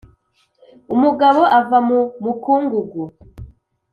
umugabo ava mu mukungugu -